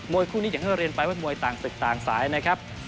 คู่นี้อย่างที่เรียนไปว่ามวยต่างศึกต่างสายนะครับ